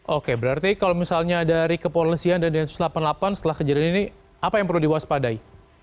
oke berarti kalau misalnya dari kepolisian dan densus delapan puluh delapan setelah kejadian ini apa yang perlu diwaspadai